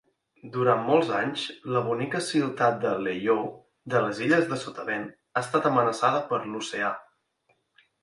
Durant molts anys la bonica ciutat de Layou de les illes de Sotavent ha estat amenaçada per l'oceà.